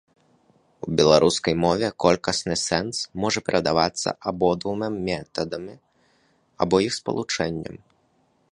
У беларускай мове колькасны сэнс можа перадавацца абодвума метадамі або іх спалучэннем.